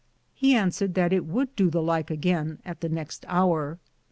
He answered that it would doo the lyke againe at the next houre.